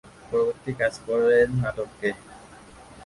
পরবর্তীতে কাজ করেন নাটকে।